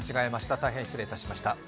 大変失礼いたしました。